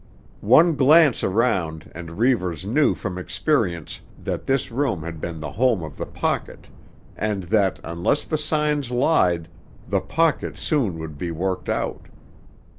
One glance around and Reivers knew from experience that this room had been the home of the pocket, and that, unless the signs lied, the pocket soon would be worked out.